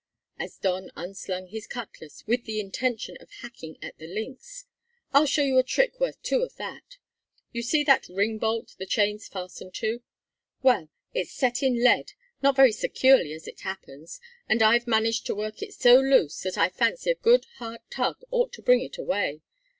as Don unslung his cutlass with the intention of hacking at the links "I'll show you a trick worth two of that. You see that ring bolt the chain's fastened to? Well, it's set in lead not very securely as it happens and I've managed to work it so loose that I fancy a good hard tug ought to bring it away.